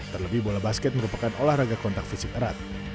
terlebih bola basket merupakan olahraga kontak fisik erat